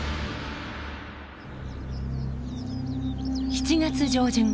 ７月上旬。